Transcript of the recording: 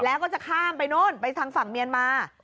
แล้วก็จะข้ามไปโน่นไปทางฝั่งเมียนมา